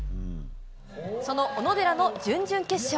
その小野寺の準々決勝。